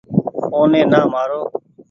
اوني نآ مآرو ۔